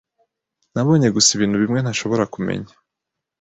Nabonye gusa ibintu bimwe ntashobora kumenya.